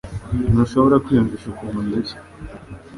Ntushobora kwiyumvisha ukuntu ndushye